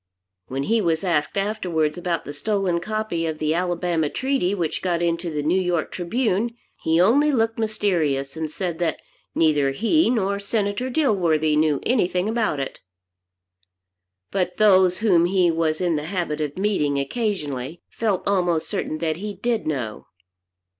When he was asked, afterwards, about the stolen copy of the Alabama Treaty which got into the "New York Tribune," he only looked mysterious, and said that neither he nor Senator Dilworthy knew anything about it. But those whom he was in the habit of meeting occasionally felt almost certain that he did know.